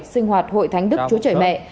sinh hoạt hội thánh đức chúa trẻ mẹ